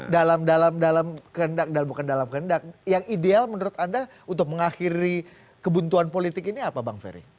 dalam dalam kehendak bukan dalam kehendak yang ideal menurut anda untuk mengakhiri kebuntuan politik ini apa bang ferry